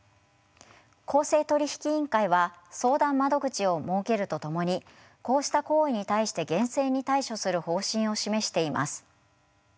公正取引委員会は相談窓口を設けるとともにこうした行為に対して厳正に対処する方針を示しています。